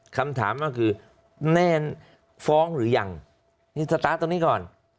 คำถามก็คือแน่นฟ้องหรือยังนี่สตาร์ทตรงนี้ก่อน